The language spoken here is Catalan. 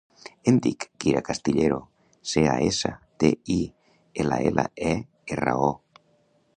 Em dic Kira Castillero: ce, a, essa, te, i, ela, ela, e, erra, o.